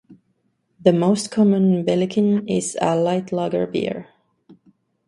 The most common Belikin is a light lager beer.